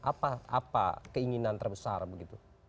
apa keinginan terbesar begitu